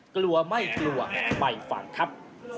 กลัวไม่กลัวไปฟังครับ